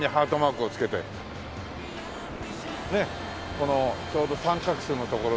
このちょうど三角州の所に。